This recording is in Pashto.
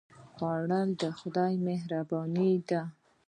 خوړل د خدای مهرباني ده